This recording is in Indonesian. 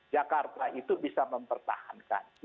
jakarta itu bisa mempertahankan